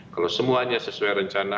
kalau semuanya sesuai rencana